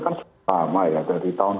kan sudah lama ya dari tahun